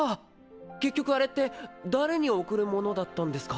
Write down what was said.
結局あれって誰に贈るものだったんですか？